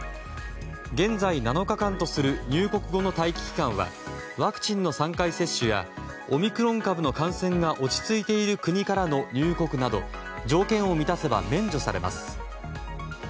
現在７日間とする入国後の待機期間はワクチンの３回接種やオミクロン株の感染が落ち着いている国からの入国など条件を満たせば免除されます。